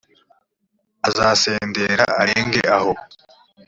azasendera arenge aho